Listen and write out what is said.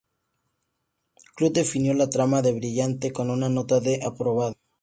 Club definió la trama de "brillante" con una nota de "aprobado".